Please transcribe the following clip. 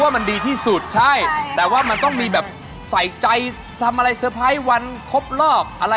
ไม่มีอะค่ะเค้าเอาเงินให้แล้วก็